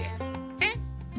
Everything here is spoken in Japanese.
えっ。